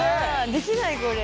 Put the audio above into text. できないこれ。